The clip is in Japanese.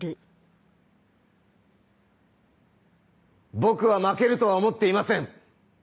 僕は負けるとは思っていません。